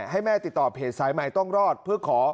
ให้แม่ติดต่อเพจสายใหม่ต้องรอดเพื่อขอ